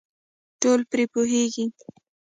ټول پرې پوهېږي .